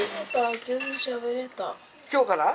今日から？